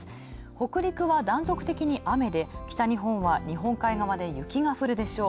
北陸は断続的に雨で北日本は日本海側で雪が降るでしょう。